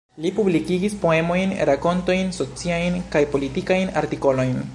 Li publikigis poemojn, rakontojn, sociajn kaj politikajn artikolojn.